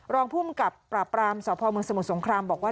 รองค์พลึงกับปราบบ์ปรามสอบภอประเมิงสมุทรสงครามบอกว่า